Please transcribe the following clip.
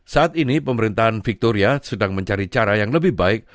saat ini pemerintahan victoria sedang mencari cara yang lebih baik